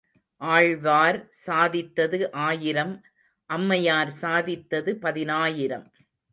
ஆழ்வார் சாதித்தது ஆயிரம் அம்மையார் சாதித்தது பதினாயிரம்.